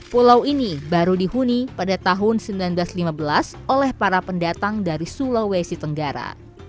pulau ini baru dihuni pada tahun seribu sembilan ratus lima belas oleh para pendatang dari sulawesi tenggara